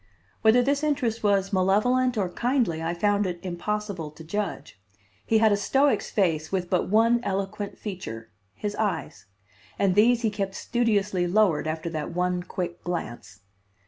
Whether this interest was malevolent or kindly I found it impossible to judge. He had a stoic's face with but one eloquent feature his eyes; and these he kept studiously lowered after that one quick glance.